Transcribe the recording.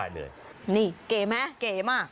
ได้เลยนี่เก๋ไหมเก๋มาก